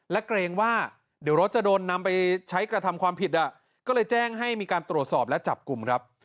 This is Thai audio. และเกรงว่าเดี๋ยวรถจะโดนนำไปใช้กระทำความผิดก็เลยแจ้งให้มีการตรวจสอบและจับกลุ่มครับ